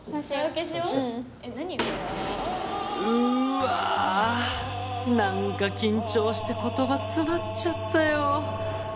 うわ何か緊張して言葉つまっちゃったよ